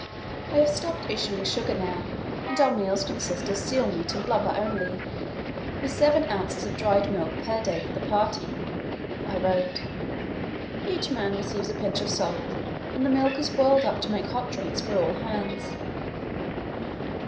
"I have stopped issuing sugar now, and our meals consist of seal meat and blubber only, with 7 ozs. of dried milk per day for the party," I wrote. "Each man receives a pinch of salt, and the milk is boiled up to make hot drinks for all hands.